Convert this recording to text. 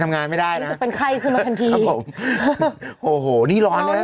ทำงานไม่ได้นะครับรู้สึกเป็นไข้ขึ้นมาทันทีครับผมโหนี่ร้อนน่ะ